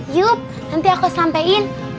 yuk nanti aku sampein